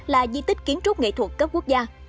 là di tích kiến trúc nghệ thuật cấp quốc gia